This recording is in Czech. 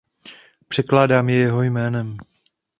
Předkládám je jeho jménem.